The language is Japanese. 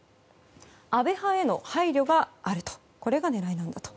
安倍派への配慮があるこれが狙いなんだと。